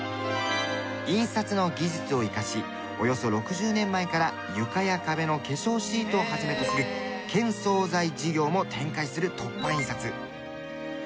印刷の技術を生かしおよそ６０年前から床や壁の化粧シートを始めとする建装材事業も展開する凸版印刷。